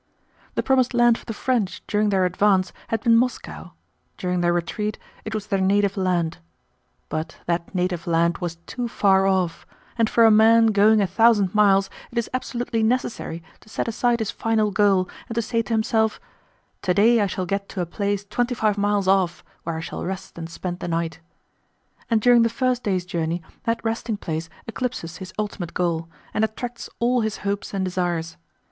The promised land for the French during their advance had been Moscow, during their retreat it was their native land. But that native land was too far off, and for a man going a thousand miles it is absolutely necessary to set aside his final goal and to say to himself: "Today I shall get to a place twenty five miles off where I shall rest and spend the night," and during the first day's journey that resting place eclipses his ultimate goal and attracts all his hopes and desires.